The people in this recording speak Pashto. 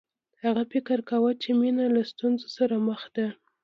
هغه فکر کاوه چې مینه له ستونزو سره مخ ده